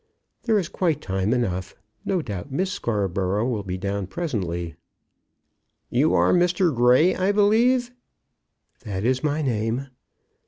There is quite time enough. No doubt Miss Scarborough will be down presently." "You are Mr. Grey, I believe?" "That is my name."